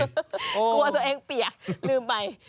กลัวตัวเองเปียกลืมไป